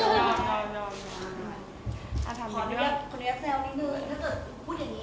ถ้าเธอพูดอย่างนี้